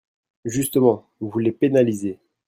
Justement, vous les pénalisez